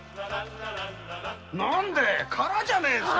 何でぇ空じゃねえですか？